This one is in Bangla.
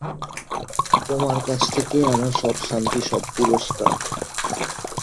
তোমার কাছ থেকেই আমার সব শান্তি, সব পুরস্কার।